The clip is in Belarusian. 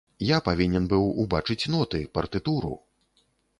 Я павінен быў убачыць ноты, партытуру!